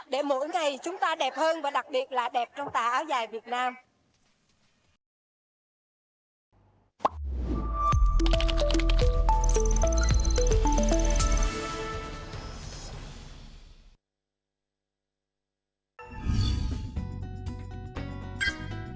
để mỗi ngày chúng ta đẹp hơn và đặc biệt là đẹp trong tà áo dài việt nam